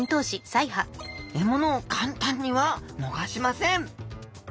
獲物を簡単には逃しません